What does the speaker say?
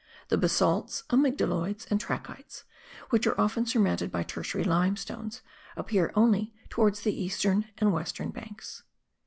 The basalts, amygdaloids, and trachytes, which are often surmounted by tertiary limestones, appear only towards the eastern and western banks.